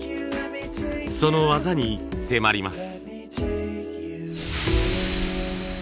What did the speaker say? その技に迫ります。